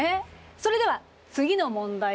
それでは次の問題です。